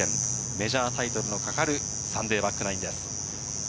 メジャータイトルのかかるサンデーバックナインです。